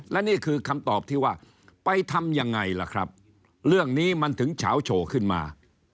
และนี่คือคำตอบที่ว่าไปทำยังไงล่ะครับเรื่องนี้มันถึงเฉาโฉขึ้นมา